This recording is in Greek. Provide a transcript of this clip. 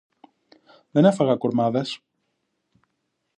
Δεν έφαγα κουρμάδες.